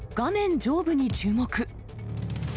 上部に注目。